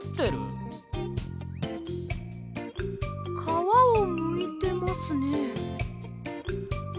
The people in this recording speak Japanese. かわをむいてますね。